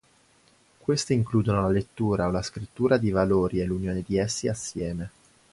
Queste includono la lettura o la scrittura di valori e l'unione di essi assieme.